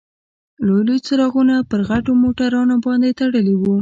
لوی لوی څراغونه پر غټو موټرونو باندې تړلي وو.